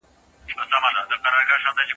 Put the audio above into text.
په يوه ګل نه پسرلی کېږي..